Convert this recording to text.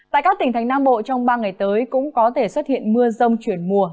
tại các tỉnh thành nam bộ trong ba ngày tới cũng có thể xuất hiện mưa rông chuyển mùa